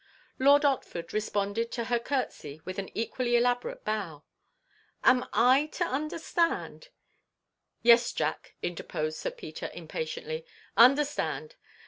Lord Otford responded to her curtsey with an equally elaborate bow. "Am I to understand—?" "Yes, Jack," interposed Sir Peter, impatiently, "understand.